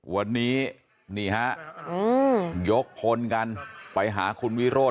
วันนี้นี่ฮะยกพลกันไปหาคุณวิโรธ